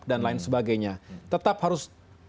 dan lain sebagainya tetap harus